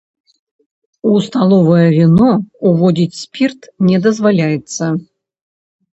У сталовае віно ўводзіць спірт не дазваляецца.